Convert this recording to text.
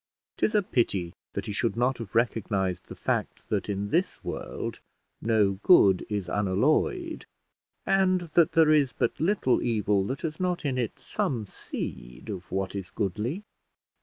'Tis a pity that he should not have recognised the fact, that in this world no good is unalloyed, and that there is but little evil that has not in it some seed of what is goodly.